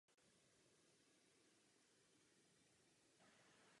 Publikuje vědecké články se zaměřením na klimatické změny a trvalé travní porosty.